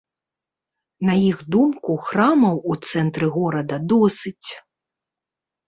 На іх думку, храмаў у цэнтры горада досыць.